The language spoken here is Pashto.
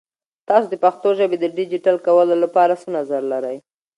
تاسو د پښتو ژبې د ډیجیټل کولو لپاره څه نظر لرئ؟